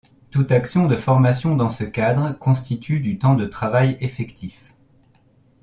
Toute action de formation dans ce cadre constitue du temps de travail effectif.